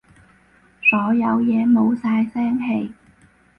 所有嘢冇晒聲氣